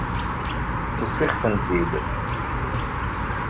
Ufiɣ-tent-id.